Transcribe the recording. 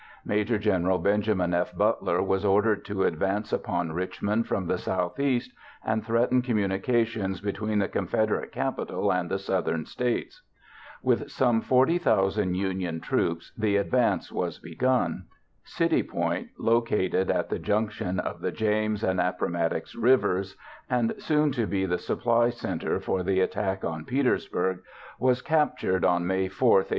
Maj. Gen. Benjamin F. Butler was ordered to advance upon Richmond from the southeast and threaten communications between the Confederate capital and the Southern States. With some 40,000 Union troops, the advance was begun. City Point, located at the junction of the James and Appomattox Rivers and soon to be the supply center for the attack on Petersburg, was captured on May 4, 1864.